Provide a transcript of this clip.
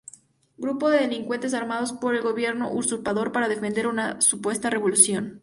Grupo de delincuentes, armados por el Gobierno Usurpador para defender una supuesta revolución.